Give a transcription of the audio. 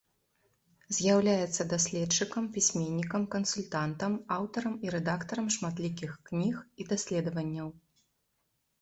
З'яўляецца даследчыкам, пісьменнікам, кансультантам, аўтарам і рэдактарам шматлікіх кніг і даследаванняў.